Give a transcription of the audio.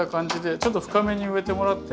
ちょっと深めに植えてもらって。